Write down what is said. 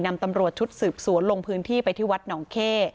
นำตำรวจชุดสืบสวนลงพื้นที่ไปที่วัดหนองเข้